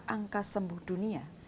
angka sembuh dunia